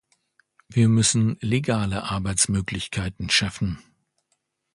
Wir müssen legale Arbeitsmöglichkeiten schaffen.